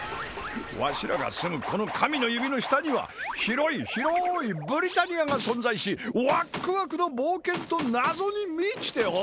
わしらが住むこの神の指の下には広い広いブリタニアが存在しワックワクの冒険と謎に満ちておる！